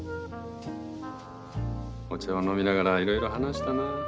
お茶を飲みながらいろいろ話したな。